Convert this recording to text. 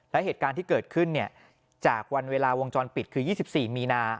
และเหตุการณ์ที่เกิดขึ้นจากวันเวลาวงจรปิดคือ๒๔มีนา